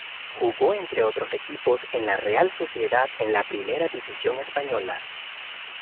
Jugó entre otros equipos en la Real Sociedad en la Primera División Española.